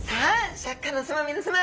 シャーク香音さま皆さま。